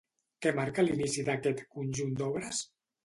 Què marca l'inici d'aquest conjunt d'obres?